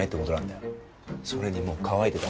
それにもう乾いてた。